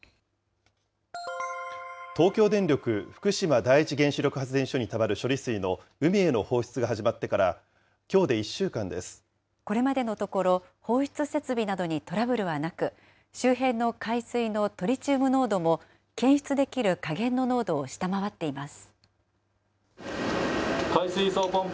東京電力福島第一原子力発電所にたまる処理水の海への放出がこれまでのところ、放出設備などにトラブルはなく、周辺の海水のトリチウム濃度も、検出できる下限の濃度を下回っています。